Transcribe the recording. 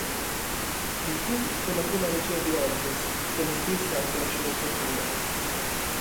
Il film fu la prima regia di Hodges, che ne scrisse anche la sceneggiatura.